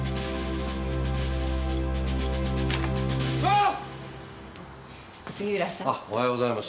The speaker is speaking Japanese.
あおはようございます。